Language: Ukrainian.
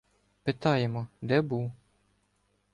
Питаємо, де був.